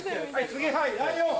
次はいライオン。